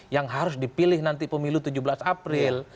yang harus dipilih nanti pemilu tujuh belas april